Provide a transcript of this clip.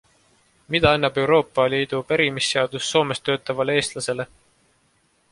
Mida annab Euroopa Liidu pärimisseadus Soomes töötavale eestlasele?